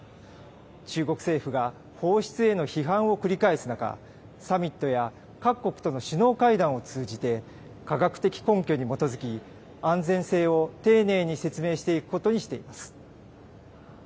中国政府が放出への批判を繰り返す中、サミットや各国との首脳会談を通じて、科学的根拠に基づき、安全性を丁寧に説明していくことにしています。